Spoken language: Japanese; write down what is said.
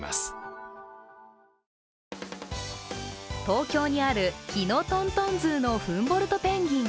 東京にあるヒノトントンＺＯＯのフンボルトペンギン。